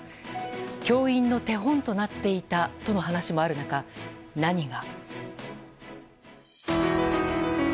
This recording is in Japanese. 教員の手本となっていたとの話もある中、何が。